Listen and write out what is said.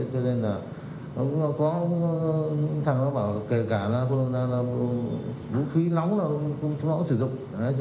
cho nên là có thằng nó bảo kể cả là vũ khí nóng nó cũng sử dụng